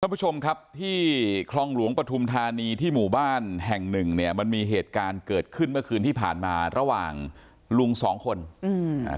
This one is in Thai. ผู้ชมครับที่คลองหลวงปฐุมธานีที่หมู่บ้านแห่งหนึ่งเนี่ยมันมีเหตุการณ์เกิดขึ้นเมื่อคืนที่ผ่านมาระหว่างลุงสองคนอืมอ่า